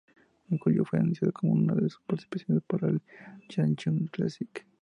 En julio, fue anunciada como una de las participantes para el Mae Young Classic.